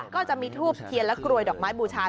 ก็จะมีทูบเทียนและกรวยดอกไม้บูชา